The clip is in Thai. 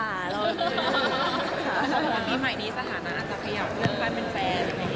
อันนี้สถานะอาจจะขยับเรื่องการเป็นแฟน